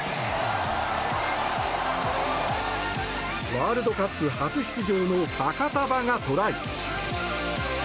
ワールドカップ初出場のファカタヴァがトライ！